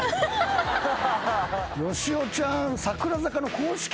よしおちゃん。